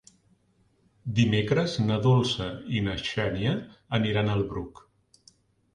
Dimecres na Dolça i na Xènia aniran al Bruc.